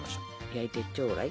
焼いてちょうだい。